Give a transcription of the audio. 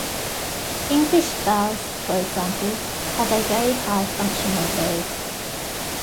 English vowels, for example, have a very high functional load.